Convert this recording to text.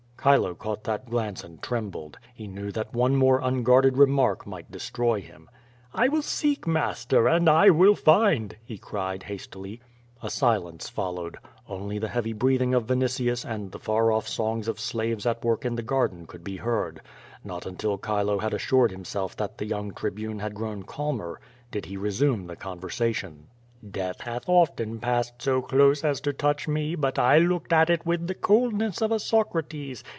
Chilo caught that glance and trembled. He knew thai one more unguarded remark might destroy him. ^^I will seek^ master^ and I will find!" he cried hastily. 132 QUO VADI8. A silence followed. Only the heavy breathing of Vinitius and the far off songs of slaves at work in the garden could be heard. Not until Chile had assured himself that the young Tribune had grown calmer did he resume the conversa tion. "Death hath often passed so close as to touch me, but I looked at it with the coldness of a Socrates.